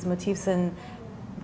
motif ini dan membuat